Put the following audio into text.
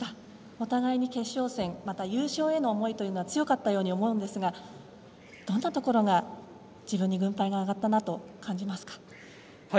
お互い、決勝戦また優勝への思いというのは強かったように思うのですがどんなところが自分に軍配が上がったなと感じますか？